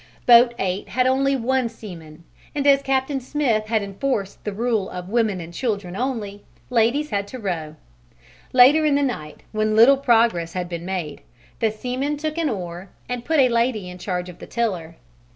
Boat 8 had only one seaman, and as Captain Smith had enforced the rule of "Women and children only," ladies had to row. Later in the night, when little progress had been made, the seaman took an oar and put a lady in charge of the tiller.